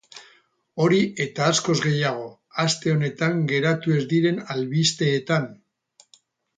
Hori eta askoz gehiago, aste honetan geratu ez diren albisteetan!